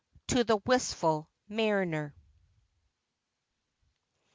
to the wistful mariner.